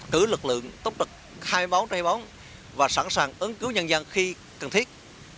cử lực lượng tốc độc hai mươi bốn trong hai mươi bốn và sẵn sàng ứng cứu nhân dân khi cần thiết